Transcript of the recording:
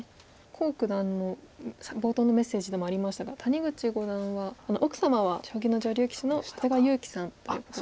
黄九段の冒頭のメッセージでもありましたが谷口五段は奥様は将棋の女流棋士の長谷川優貴さんという方で。